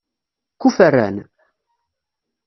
Kuferran?